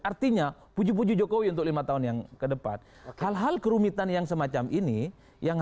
artinya puji puji jokowi untuk lima tahun yang kedepan hal hal kerumitan yang semacam ini yang